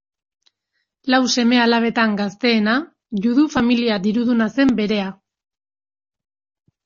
Lau seme-alabetan gazteena, Judu familia diruduna zen berea.